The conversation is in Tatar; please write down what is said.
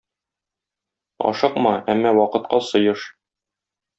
Ашыкма, әмма вакытка сыеш.